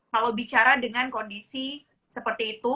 kalau bicara dengan kondisi seperti itu